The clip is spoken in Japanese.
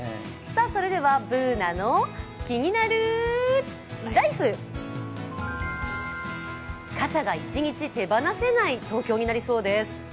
「ＢｏｏｎａのキニナルＬＩＦＥ」傘が一日手放せない東京になりそうです。